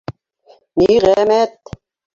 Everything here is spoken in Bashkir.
Ниғәмәт!